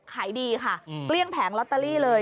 ขายดีค่ะเกลี้ยงแผงลอตเตอรี่เลย